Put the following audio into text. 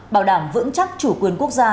bảo đảm vững chắc chủ quyền quốc gia